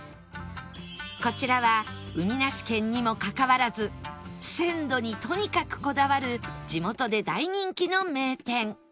こちらは海なし県にもかかわらず鮮度にとにかくこだわる地元で大人気の名店